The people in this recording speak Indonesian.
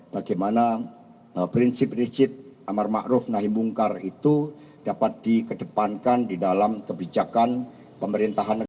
bagaimana prinsip prinsip amar makruf nahimungkar itu dapat dikedepankan di dalam kebijakan pemerintahan